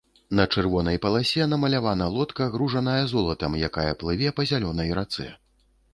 На чырвонай паласе намалявана лодка, гружаная золатам, якая плыве па зялёнай рацэ.